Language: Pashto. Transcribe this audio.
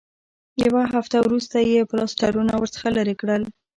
یوه هفته وروسته یې پلاسټرونه ورڅخه لرې کړل.